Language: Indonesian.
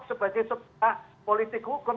sebagai sebuah politik hukum